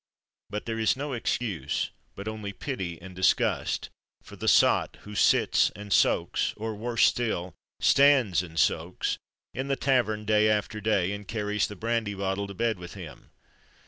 But there is no excuse, but only pity and disgust, for the sot who sits and soaks or, worse still, stands and soaks in the tavern day after day, and carries the brandy bottle to bed with him.